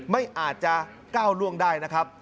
ไม่อาจจะก้าวล่วงได้นะครับ